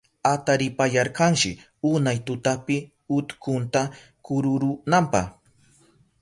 Ataripayarkashi unay tutapi utkunta kururunanpa.